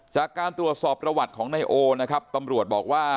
จากการตรวจสอบประวัติของนายโอนะครับตำรวจบอกว่า